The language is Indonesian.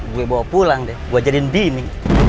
gue bawa pulang deh gue jadiin dini